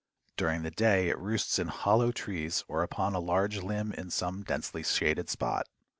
During the day it roosts in hollow trees or upon a large limb in some densely shaded spot.